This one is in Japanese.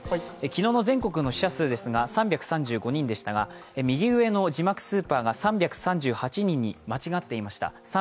昨日の全国の死者数ですが３３５人ですが右上の字幕スーパーが３３８人に間違っていました。